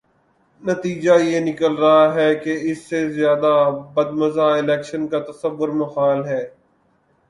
نتیجہ یہ نکل رہا ہے کہ اس سے زیادہ بدمزہ الیکشن کا تصور محال ہے۔